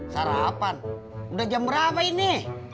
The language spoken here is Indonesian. sarapan udah jam berapa ini